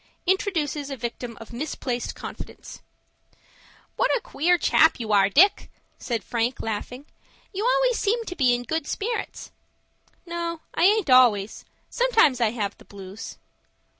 INTRODUCES A VICTIM OF MISPLACED CONFIDENCE "What a queer chap you are, Dick!" said Frank, laughing. "You always seem to be in good spirits." "No, I aint always. Sometimes I have the blues."